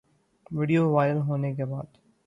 video viral ہونے کے بعد